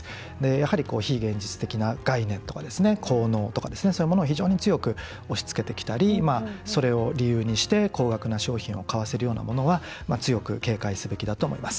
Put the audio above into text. やはり非現実的な概念とか効能とかそういうものを非常に強く押しつけてきたりそれを理由にして高額な商品を買わせるようなものは強く警戒すべきだと思います。